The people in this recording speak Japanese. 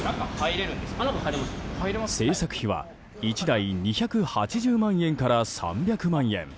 製作費は１台２８０万円から３００万円。